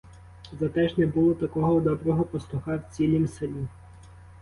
Зате ж не було такого доброго пастуха в цілім селі.